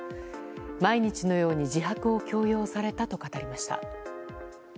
毎日のように自白を強要されたと語りました。